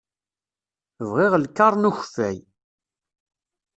Bɣiɣ lkaṛ n ukeffay.